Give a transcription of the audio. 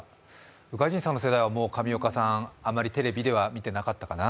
宇賀神さんの世代は、もう上岡さんはあまりテレビでは見てなかったかな？